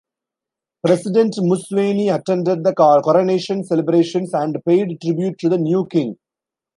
President Museveni attended the coronation celebrations and paid tribute to the new King.